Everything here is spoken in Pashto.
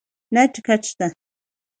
نه ټکټ شته